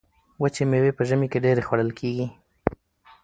وچې میوې په ژمي کې ډیرې خوړل کیږي.